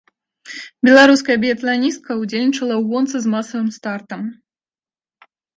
Беларуская біятланістка ўдзельнічала ў гонцы з масавым стартам.